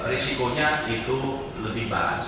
risikonya itu lebih balas